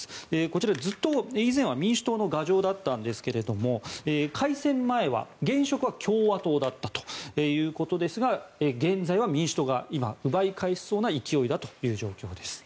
こちら、以前は民主党の牙城だったんですが改選前は現職は共和党だったということですが現在は民主党が今、奪い返しそうな勢いだという状況です。